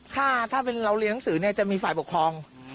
ค่าถ้าเป็นเราเรียนหนังสือจะมีฝ่ายปกครอง